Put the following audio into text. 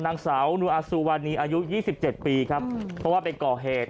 นางสาวนุอสุวรรณีอายุยี่สิบเจ็ดปีครับเพราะว่าเป็นก่อเหตุ